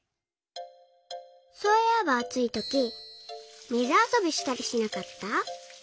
そういえばあついとき水あそびしたりしなかった？